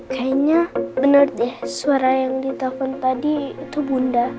kayaknya benar deh suara yang di tahun tadi itu bunda